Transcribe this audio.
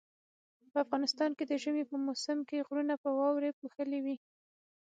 په افغانستان کې د ژمي په موسم کې غرونه په واوري پوښلي وي